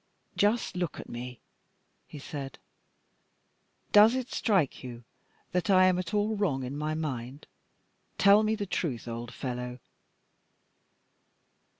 "Just look at me," he said. "Does it strike you that I am at all wrong in my mind? Tell me the truth, old fellow."